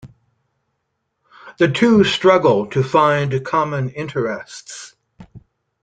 The two struggle to find common interests.